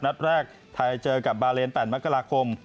นัดแรกไทยเจอกับบาเลน๘มกราคม